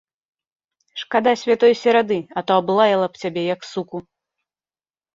Шкада святой серады, а то аблаяла б цябе, як суку!